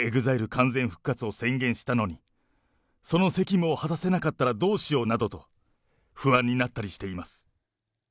完全復活を宣言したのに、その責務を果たせなかったらどうしようなどと不安になったりしています。